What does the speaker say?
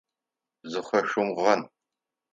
Зыхэшъумгъэн.